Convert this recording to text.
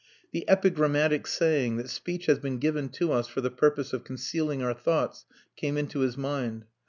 The epigrammatic saying that speech has been given to us for the purpose of concealing our thoughts came into his mind.